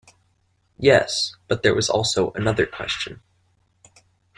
Yes; but there was also another question.